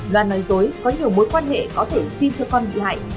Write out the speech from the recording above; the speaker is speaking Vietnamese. loan nói dối có nhiều mối quan hệ có thể xin cho con bị hại